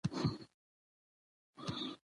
بامیان د افغانستان د ټول طبیعت د ښکلا یوه برخه ده.